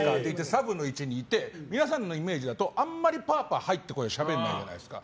サブの位置にいて皆さんのイメージだとあんまりパーパー入ってしゃべらないじゃないですか。